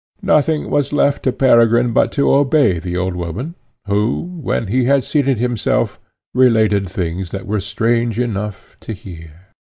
Nothing was left to Peregrine but to obey the old woman, who, when he had seated himself, related things that were strange enough to hear.